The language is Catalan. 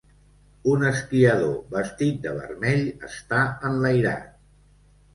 Un esquiador vestit de vermell està enlairat.